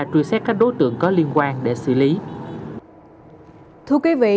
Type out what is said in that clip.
truy xét các đối tượng có liên quan để xử lý